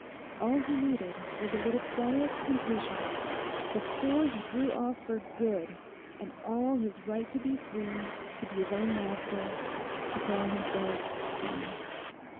All he needed was a little quiet and patience before he threw off for good and all his right to be free, to be his own master, to call himself sane.